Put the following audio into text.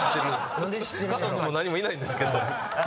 家族も何もいないんですけど。